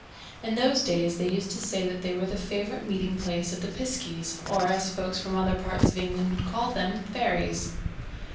In those days they used to say that they were the favourite meeting place of the piskies, or, as folks from other parts of England would call them, fairies.